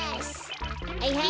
はいはい。